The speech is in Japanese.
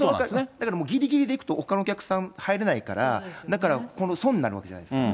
だからぎりぎりで行くと、ほかのお客さん入れないから、だから損になるわけじゃないですか。